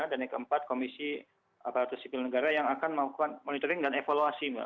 dan yang keempat komisi aparat sipil negara yang akan melakukan monitoring dan evaluasi mbak